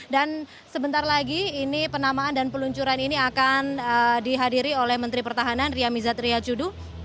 dan sebentar lagi ini penamaan dan peluncuran ini akan dihadiri oleh menteri pertahanan ria mizat ria judu